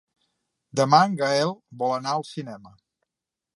Demà en Gaël vol anar al cinema.